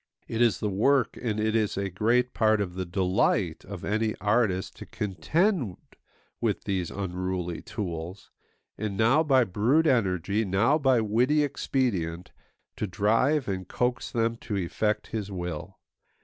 It is the work and it is a great part of the delight of any artist to contend with these unruly tools, and now by brute energy, now by witty expedient, to drive and coax them to effect his will.